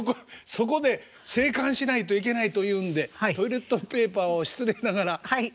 そこで生還しないといけないというんでトイレットペーパーを失礼ながらこう敷いて。